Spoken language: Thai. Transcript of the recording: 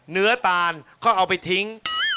เนื้อตานเขาเอาไปทิ้ง